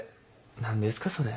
何ですかそれ。